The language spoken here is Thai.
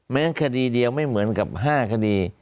แม้คดีเดียวไม่เหมือนกับ๕คดี